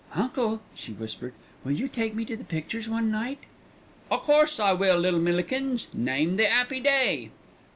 "Uncle," she whispered, "will you take me to the pictures one night?" "O' course I will, little Millikins. Name the 'appy day."